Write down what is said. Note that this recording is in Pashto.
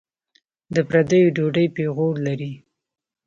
د پردیو ډوډۍ پېغور لري.